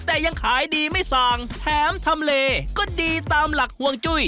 หายดีไม่สางแถมทำเฬก็ดีตามหลักห่วงจุ้ย